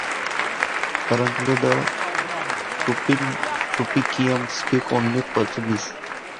Currently, the Tupiniquim speak only Portuguese.